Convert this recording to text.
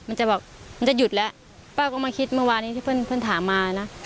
มันจะบอกมันจะหยุดแล้วป้าก็มาคิดเมื่อวานี้ที่เพื่อนเพื่อนถามมานะ